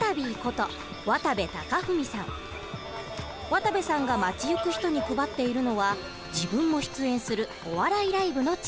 渡部さんが街行く人に配っているのは自分も出演するお笑いライブのチラシ。